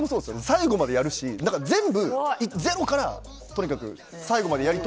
最後までやるし全部ゼロから、とにかく最後までやり